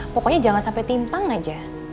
pokoknya jangan sampai timpang aja